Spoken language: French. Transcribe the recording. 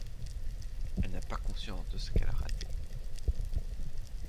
Elle n'a pas conscience de ce qu'elle a raté.